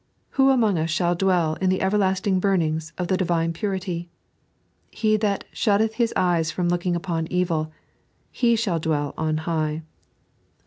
"Who among us shall dwell in the everlasting burnings" of the Divine purity % He that " shuttoth his eyes from look ingupoQ evU, he shall dvell on high"(l8a.